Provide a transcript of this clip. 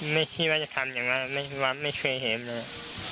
ไม่คิดว่าจะทำอย่างนั้นไม่เคยเห็นเลย